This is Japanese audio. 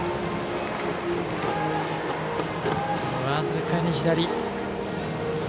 僅かに左。